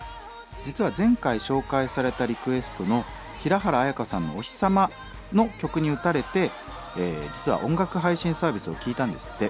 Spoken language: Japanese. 実は前回紹介されたリクエストの平原綾香さんの「おひさま」の曲に打たれて音楽配信サービスを聴いたんですって。